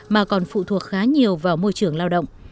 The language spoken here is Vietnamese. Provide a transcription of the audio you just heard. mà còn phụ thuộc khá nhiều vào môi trường lao động